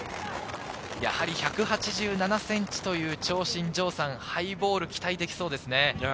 やはり１８７ｃｍという長身、ハイボール、期待できそうですね。